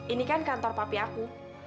ini kan kantor papi aku